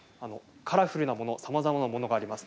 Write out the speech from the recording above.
カラフルなものさまざまなものがあります。